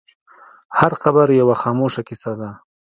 هر قبر یوه خاموشه کیسه ده.